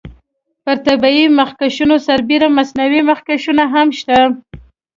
پر طبیعي مخکشونو سربیره مصنوعي مخکشونه هم شته.